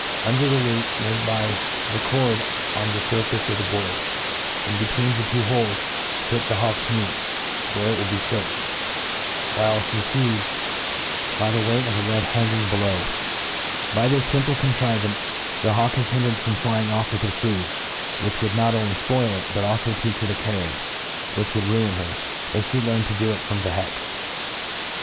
Un ' derthe loop made by the cord on the furfacc of the board, and between the two holes, put th^ hawk's meat, where it will be fixed, while fli'c feeds, by the weight of the lead hanging below* By this finiple contrivance, the hawk is hindered from flying off" with her food, which would not only fpoil it, but alfo teach her to carry, which would ruin her, if flie learned to do it from the heck.